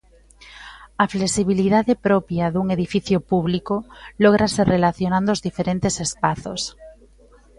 A flexibilidade propia dun edificio público lógrase relacionando os diferentes espazos.